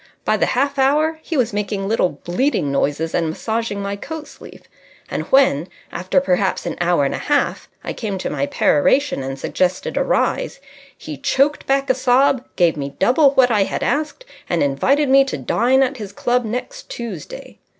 By the half hour he was making little bleating noises and massaging my coat sleeve. And when, after perhaps an hour and a half, I came to my peroration and suggested a rise, he choked back a sob, gave me double what I had asked, and invited me to dine at his club next Tuesday.